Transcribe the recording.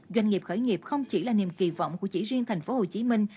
doanh nghiệp khởi nghiệp không chỉ là niềm kỳ vọng của chỉ riêng thành phố hồ chí minh